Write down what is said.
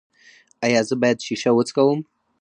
ایا زه باید شیشه وڅکوم؟